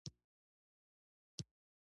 آیا دوی المونیم له بریښنا څخه نه جوړوي؟